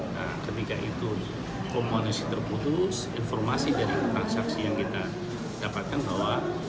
nah ketika itu komunisi terputus informasi dari transaksi yang kita dapatkan bahwa